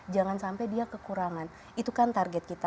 jangan sampai dia kekurangan itu kan target kita